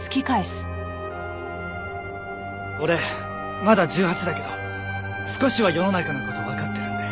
俺まだ１８だけど少しは世の中の事わかってるんで。